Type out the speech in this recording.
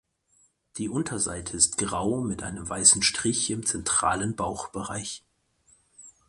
Die Unterseite ist grau mit einem weißen Strich im zentralen Bauchbereich.